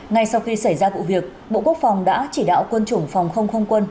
ngay sau khi xảy ra vụ việc bộ quốc phòng đã chỉ đạo quân chủng phòng không không quân